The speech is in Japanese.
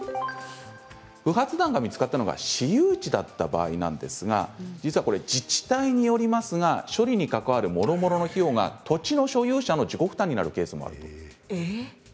不発弾が見つかったのが私有地だった場合自治体によりますが処理にかかるもろもろの費用が土地の所有者の自己負担になるケースもあると。